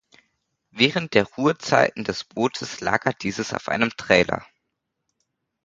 Während der Ruhezeiten des Bootes lagert dieses auf einem Trailer.